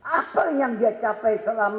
apa yang dia capai selama